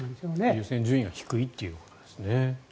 優先順位が低いということですね。